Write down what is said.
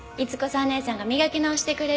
ねえさんが磨き直してくれる言うて。